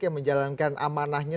yang menjalankan amanahnya